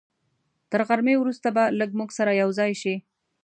تر غرمې وروسته به له موږ سره یوځای شي.